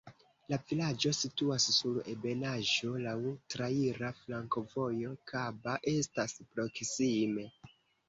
La vilaĝo situas sur ebenaĵo, laŭ traira flankovojo, Kaba estas proksime.